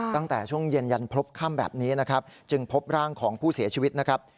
ตั้งแต่ช่วงเย็นยันพบค่ำแบบนี้นะครับจึงพบร่างของผู้เสียชีวิตนะครับ